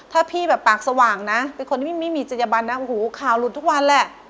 ถ้าพี่แบบปากสว่างนะพี่เป็นคนไม่มีใจยะบัญขาวหลุดทุกวันแหละ